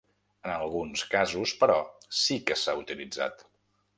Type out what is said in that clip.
En alguns casos, però, sí que s'ha utilitzat.